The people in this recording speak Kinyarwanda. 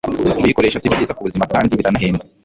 Kuyikoresha si byiza ku buzima kandi biranahenze.